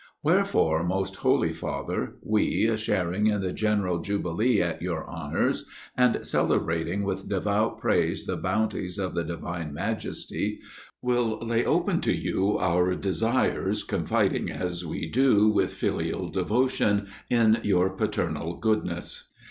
Wherefore, most holy Father, we, sharing in the general jubilee at your honors, and celebrating with devout praise the bounties of the divine Majesty, will lay open to you our desires, confiding as we do, with filial devotion, in your paternal goodness.